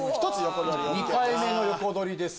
２回目の横取りです。